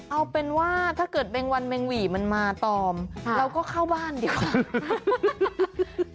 เอาเป็นว่าถ้าเกิดแมงวันแมงหวี่มันมาตอมเราก็เข้าบ้านดีกว่า